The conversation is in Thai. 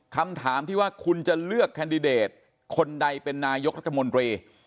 คำถามที่ว่าคุณจะเลือกแคนดิเดตคนใดเป็นนายกรัฐมนตรี